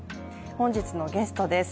本日のゲストです。